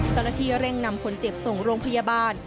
เจ้าหน้าที่เร่งนำคนเจ็บส่งโรงพยาบาล